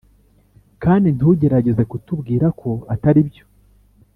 kandi ntugerageze kutubwira ko atari byo.